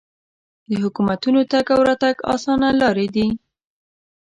د حکومتونو تګ او راتګ اسانه لارې دي.